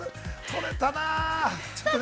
取れたなあ。